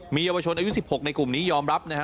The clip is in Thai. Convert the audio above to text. มีเยาวชนอายุ๑๖ในกลุ่มนี้ยอมรับนะฮะ